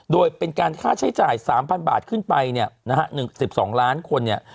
โดยเป็นการค่าใช้จ่าย๓๐๐บาทขึ้นไปเนี่ยนะฮะ๑๒ล้านคนเนี่ย